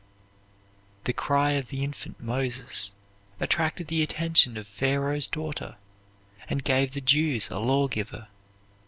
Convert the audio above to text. The cry of the infant Moses attracted the attention of Pharoah's daughter, and gave the Jews a lawgiver.